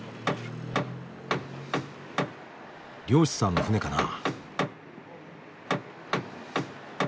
漁師さんの船かな？